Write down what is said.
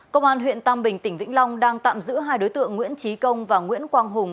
công an huyện tam bình tỉnh vĩnh long đang tạm giữ hai đối tượng nguyễn trí công và nguyễn quang hùng